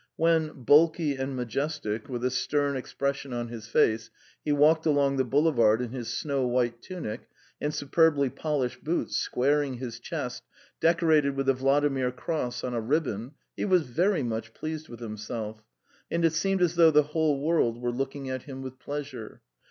When, bulky and majestic, with a stern expression on his face, he walked along the boulevard in his snow white tunic and superbly polished boots, squaring his chest, decorated with the Vladimir cross on a ribbon, he was very much pleased with himself, and it seemed as though the whole world were looking at him with pleasure.